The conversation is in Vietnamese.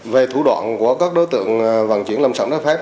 về thủ đoạn của các đối tượng vận chuyển lâm sản trái phép